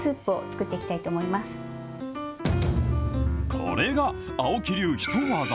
これが青木流ヒトワザ。